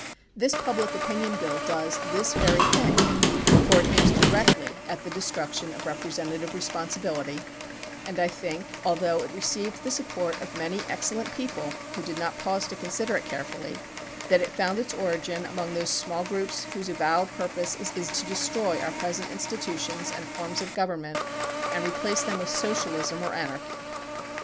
This Public Opinion Bill does this very thing, for it aims directly at the destruction of representative re sponsibility, and I think, although it received the support of many excellent people who did not pause to consider it carefully, that it found its origin among those smaU groups whose avowed purpose is to destroy our present institutions and forms of government and replace them with socialism or anarchy.